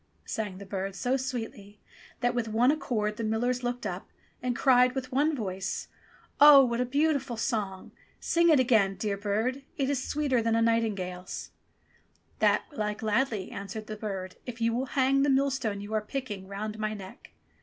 sang the bird so sweetly that with one accord the millers looked up and cried with one voice : "Oh, what a beautiful song! Sing it again, dear bird, it is sweeter than a nightingale's." 362 ENGLISH FAIRY TALES "That will I gladly," answered the bird, '*if you will hang the millstone you are picking round my neck."